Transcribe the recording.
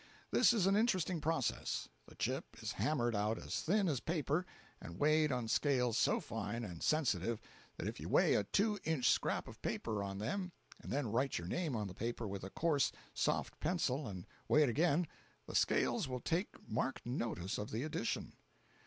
This is an interesting process. The chip is hammered out as thin as paper and weighed on scales so fine and sensitive that if you weigh a two inch scrap of paper on them and then write your name on the paper with a course, soft pencil and weigh it again, the scales will take marked notice of the addition.